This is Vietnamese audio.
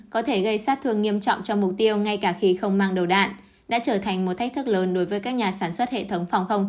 có thể gây sát thương nghiêm trọng cho mục tiêu ngay cả khi không mang đầu đạn